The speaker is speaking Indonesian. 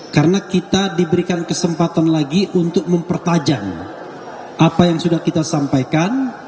karena kita diberikan kesempatan lagi untuk mempertajam apa yang sudah kita sampaikan